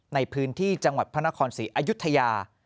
ในพื้นที่จังหวัดพระนครศรีอายุทยา